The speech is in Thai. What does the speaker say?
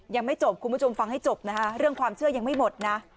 ยังไม่จบคุณผู้ชมฟังให้จบนะคะเรื่องความเชื่อยังไม่หมดนะ